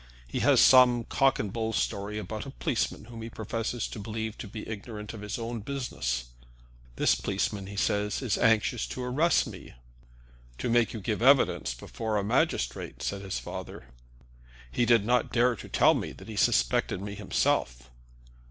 He has some cock and bull story about a policeman whom he professes to believe to be ignorant of his own business. This policeman, he says, is anxious to arrest me." "To make you give evidence before a magistrate," said his father. "He did not dare to tell me that he suspected me himself."